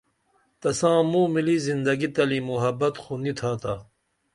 تساں موں مِلی زندگی تلی محبت خو نی تھاتا